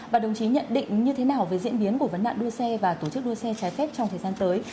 và đồng chí nhận định như thế nào về diễn biến của vấn nạn đua xe và tổ chức đua xe trái phép trong thời gian tới